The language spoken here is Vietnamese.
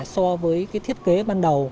so với thiết kế ban đầu